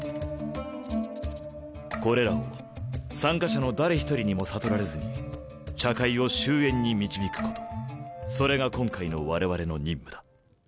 これらを参加者の誰一人にも悟られずに茶会を終焉に導くことそれが今回の我々の任務だ。